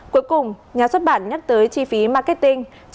cuối cùng nhà xuất bản nhắc tới chi phí marketing